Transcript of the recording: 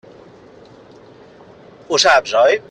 Ho saps, oi?